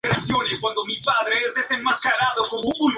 El primer rector fue el Monseñor Gennaro Prata.